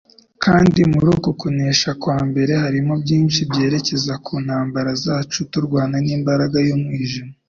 Kandi muri uku kunesha kwa mbere harimo byinshi byerekeza ku ntambara zacu turwana n'imbaraga y'umwijima.